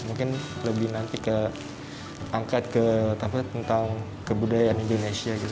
mungkin lebih nanti ke angkat ke budaya indonesia gitu